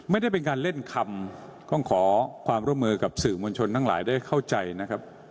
ไม่ได้เป็นการเล่นคำต้องขอความร่วมมือกับสื่อมวลชนทั้งหลายได้เข้าใจนะครับ